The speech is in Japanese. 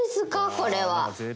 これは。